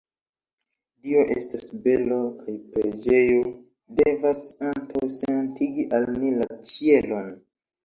Dio estas belo kaj preĝejo devas antaŭsentigi al ni la ĉielon.